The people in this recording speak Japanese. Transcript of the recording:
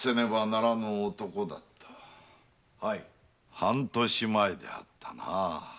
半年前であったな